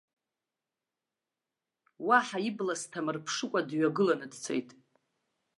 Уаҳа ибла сҭамырԥшыкәа, дҩагыланы дцеит.